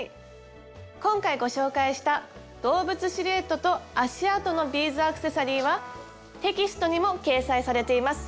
今回ご紹介した動物シルエットと足あとのビーズアクセサリーはテキストにも掲載されています。